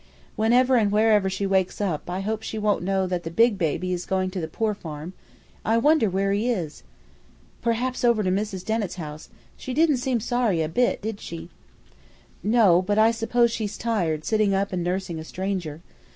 "Whenever and wherever she wakes up, I hope she won't know that the big baby is going to the poor farm. I wonder where he is?" "Perhaps over to Mrs. Dennett's house. She didn't seem sorry a bit, did she?" "No, but I suppose she's tired sitting up and nursing a stranger.